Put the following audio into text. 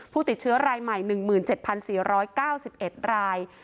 ผู้ติดเชื้อรายใหม่๑๗๔๙๑ราย